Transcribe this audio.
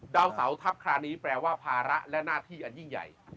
ดาวเสาทัพคราวนี้แปลว่าภาระและหน้าที่อันยิ่งใหญ่